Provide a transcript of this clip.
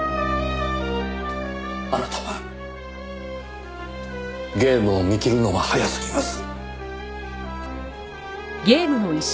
あなたはゲームを見切るのが早すぎます。